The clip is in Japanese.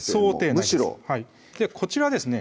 むしろこちらですね